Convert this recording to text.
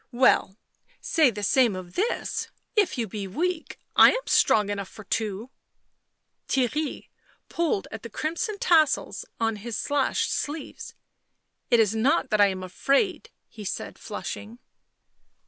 " Well, say the same of this; if you be weak, I am strong enough for two." Theirry pulled at the crimson tassels on his slashed sleeves. " It is not that I am afraid," he said, flushing.